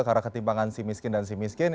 karena ketimpangan si miskin dan si miskin